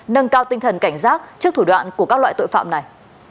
nâng cao tinh thần cảnh giác trước thủ đoạn của các loại tội phạm này